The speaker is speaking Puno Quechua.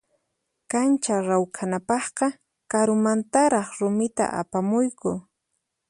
Kancha rawkhanapaqqa karumantaraq rumita apamuyku.